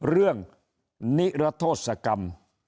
เรื่องนิรัทธสกรรม